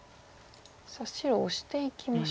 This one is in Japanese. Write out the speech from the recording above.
白オシていきました。